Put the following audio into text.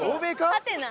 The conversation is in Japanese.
ハテナ。